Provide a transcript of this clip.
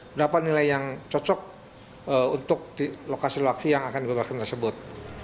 berapa nilai yang cocok untuk lokasi lokasi yang akan dibebaskan tersebut